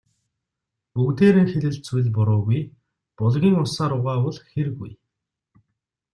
Бүгдээрээ хэлэлцвэл буруугүй, булгийн усаар угаавал хиргүй.